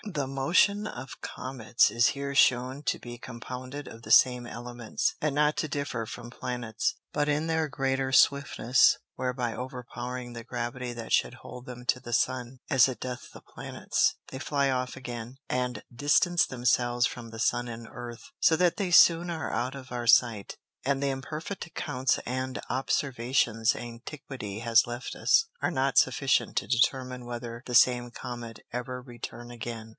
The Motion of Comets is here shewn to be compounded of the same Elements, and not to differ from Planets, but in their greater swiftness, whereby overpowering the Gravity that should hold them to the Sun, as it doth the Planets, they flie off again, and distance themselves from the Sun and Earth, so that they soon are out of our sight. And the imperfect Accounts and Observations Antiquity has left us, are not sufficient to determine whether the same Comet ever return again.